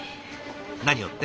何をって？